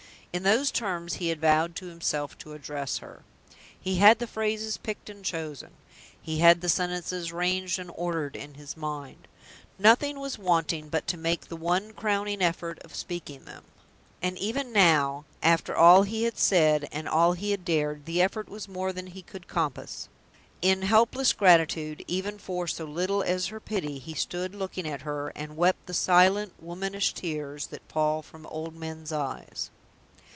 In those terms he had vowed to himself to address her. He had the phrases picked and chosen; he had the sentences ranged and ordered in his mind; nothing was wanting but to make the one crowning effort of speaking them and, even now, after all he had said and all he had dared, the effort was more than he could compass! In helpless gratitude, even for so little as her pity, he stood looking at her, and wept the silent, womanish tears that fall from old men's eyes.